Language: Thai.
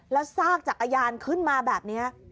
แล้วซากจักรยานขึ้นมาแบบนี้